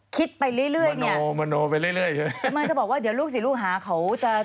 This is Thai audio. คิดไปเรื่อยเรื่อยเนี่ยมโนมโนไปเรื่อยเรื่อยแต่มันจะบอกว่าเดี๋ยวลูกสิลูกหาเขาจะ